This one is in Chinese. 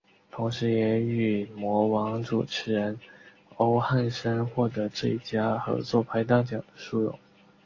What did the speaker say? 同时也与模王主持人欧汉声获得最佳合作拍档奖的殊荣。